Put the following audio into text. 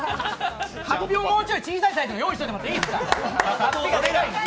法被、もうちょい小さいサイズを用意してもらっていいですか。